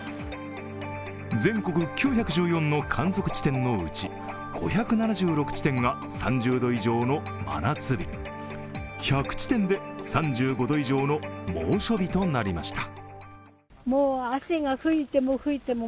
全国９１４の観測地点のうち５７６地点が３０度以上の真夏日１００地点で３５度以上の猛暑日となりました。